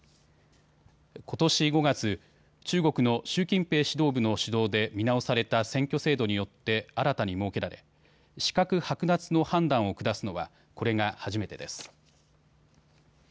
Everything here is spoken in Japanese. ことし５月、中国の習近平指導部の主導で見直された選挙制度によって新たに設けられ資格剥奪の判断を下すのはこれが初めてです。